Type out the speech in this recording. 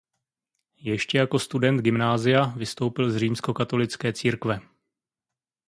Ještě jako student gymnázia vystoupil z římskokatolické církve.